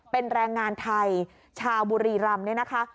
เป็นแรงงานไทยชาวบุรีรำเนี่ยนะคะ